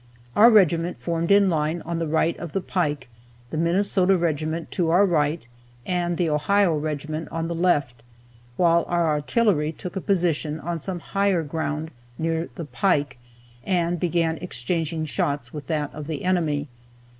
Our regiment formed in line on the right of the pike, the Minnesota regiment to our right, and the Ohio regiment on the left, while our artillery took a position on some higher ground near the pike, and began exchanging shots with that of the enemy.